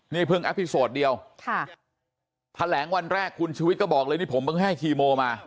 นี่เพิ่งแอปพลิโซดเดียวค่ะแถลงวันแรกคุณชุวิตก็บอกเลยนี่ผมเพิ่งให้คีโมมา